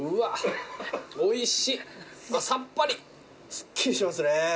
すっきりしてますね。